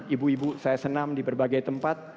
ibu ibu saya senam di berbagai tempat